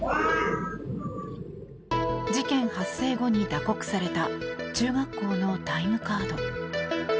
事件発生後に打刻された中学校のタイムカード。